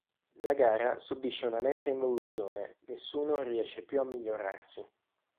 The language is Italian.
La gara subisce una netta involuzione: nessuno riesce più a migliorarsi.